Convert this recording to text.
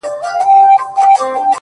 سوله كوم خو زما دوه شرطه به حتمآ منې.